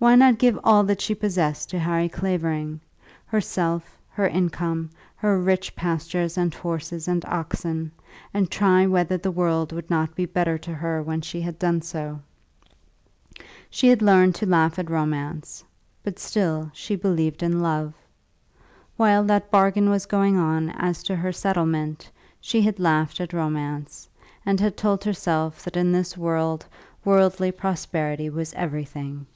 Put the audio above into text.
Why not give all that she possessed to Harry Clavering herself, her income, her rich pastures and horses and oxen, and try whether the world would not be better to her when she had done so? She had learned to laugh at romance, but still she believed in love. While that bargain was going on as to her settlement, she had laughed at romance, and had told herself that in this world worldly prosperity was everything.